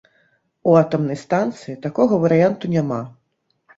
У атамнай станцыі такога варыянту няма.